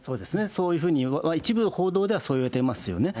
そういうふうには、一部報道ではそういわれていますよね。